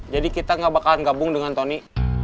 jadi kita nggak bakal gabung dengan tony